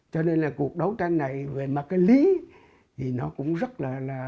cho nên là cuộc đấu tranh này về mặt cái lý thì nó cũng rất là